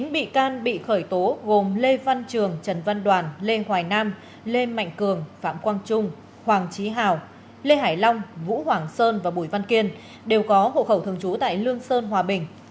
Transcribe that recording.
chín bị can bị khởi tố gồm lê văn trường trần văn đoàn lê hoài nam lê mạnh cường phạm quang trung hoàng trí hào lê hải long vũ hoàng sơn và bùi văn kiên đều có hộ khẩu thường trú tại lương sơn hòa bình